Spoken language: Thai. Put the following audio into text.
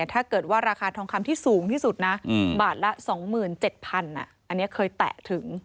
ถ้าเกิดว่าราคาทองคำที่สูงที่สุดนะบาทละ๒๗๐๐อันนี้เคยแตะถึง